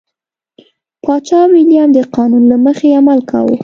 پاچا ویلیم د قانون له مخې عمل کاوه.